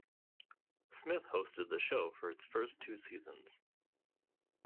Smith hosted the show for its first two seasons.